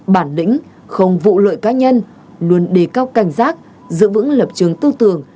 bản lĩnh không vụ lợi cá nhân luôn đề cao cảnh giác giữ vững lập trường tư tưởng